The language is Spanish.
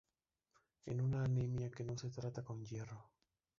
Es una anemia que no se trata con hierro.